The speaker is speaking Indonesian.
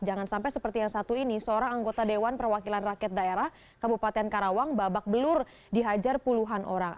jangan sampai seperti yang satu ini seorang anggota dewan perwakilan rakyat daerah kabupaten karawang babak belur dihajar puluhan orang